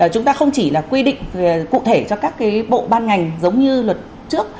chúng ta không chỉ là quy định cụ thể cho các cái bộ ban ngành giống như luật trước